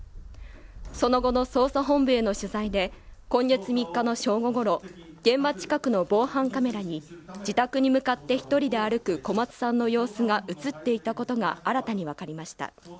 その後の捜査本部への取材で今月３日の正午ごろ現場近くの防犯カメラに自宅に向かって一人で歩く小松さんの様子が映っていたことが新たに分かりました